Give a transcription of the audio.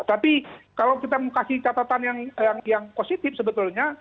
tapi kalau kita mau kasih catatan yang positif sebetulnya